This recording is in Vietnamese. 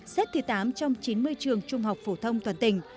xếp thứ tám trong chín mươi trường trung học phổ thông toàn tỉnh